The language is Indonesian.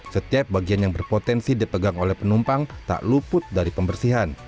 setiap bagian yang berpotensi dipegang oleh penumpang tak luput dari pembersihan